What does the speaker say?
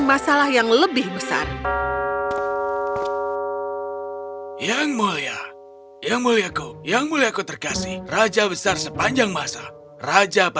masalah yang lebih besar yang mulia yang muliaku yang mulia aku terkasih raja besar sepanjang masa raja